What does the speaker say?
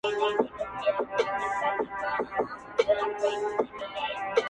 فریشتو یې د وجود خاوره کي نغښتي سره انګور دي-